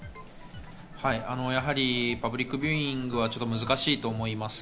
やはりパブリックビューイングは難しいと思います。